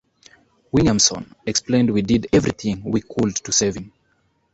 Williamson explained We did everything we could to save him.